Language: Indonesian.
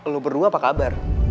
lo berdua apa kabar